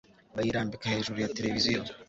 bayirambika hejuru ya television